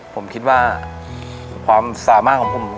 ผมคิดว่าความสามารถของผม